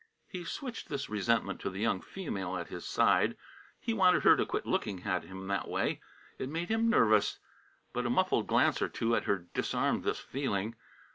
He switched this resentment to the young female at his side. He wanted her to quit looking at him that way. It made him nervous. But a muffled glance or two at her disarmed this feeling.